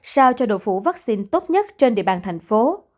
sao cho độ phủ vaccine tốt nhất trên địa bàn thành phố